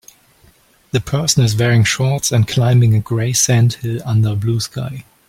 The person is wearing shorts and climbing a gray sand hill under a blue sky.